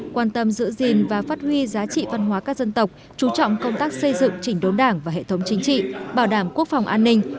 quan tâm giữ gìn và phát huy giá trị văn hóa các dân tộc chú trọng công tác xây dựng chỉnh đốn đảng và hệ thống chính trị bảo đảm quốc phòng an ninh